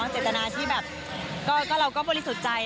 จัตนาที่เราก็บริสุทธิ์ใจ